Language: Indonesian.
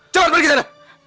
cepat pergi sana